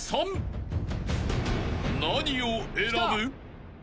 ［何を選ぶ？］